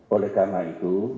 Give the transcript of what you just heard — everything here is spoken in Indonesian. oleh karena itu